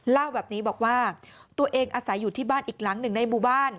เล่าแบบนี้บอกว่าตัวเองอาศัยอยู่ที่บ้านอีกหลังหนึ่งในหมู่บ้าน